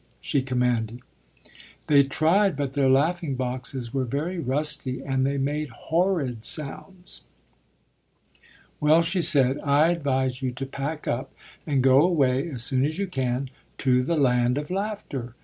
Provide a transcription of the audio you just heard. she commanded. They tried, but their laughing boxes were very rusty and they made horrid sounds. "Well," she said, "I advise you to pack up, and go away, as soon as you can, to the Land of Laughter.